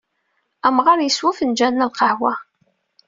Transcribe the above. Amɣar yeswa afenǧal n lqahwa.